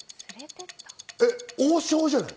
王将じゃない？